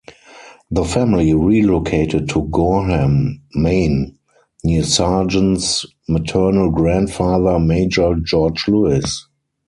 The family relocated to Gorham, Maine near Seargent's maternal grandfather Major George Lewis.